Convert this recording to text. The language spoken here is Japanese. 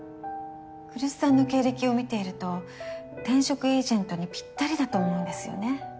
来栖さんの経歴を見ていると転職エージェントにぴったりだと思うんですよね。